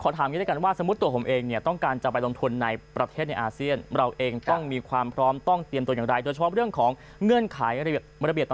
ถามอย่างนี้ด้วยกันว่าสมมุติตัวผมเองเนี่ยต้องการจะไปลงทุนในประเทศในอาเซียนเราเองต้องมีความพร้อมต้องเตรียมตัวอย่างไรโดยเฉพาะเรื่องของเงื่อนไข